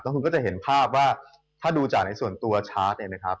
คุณก็จะเห็นภาพว่าถ้าดูจากในส่วนตัวชาร์จเนี่ยนะครับ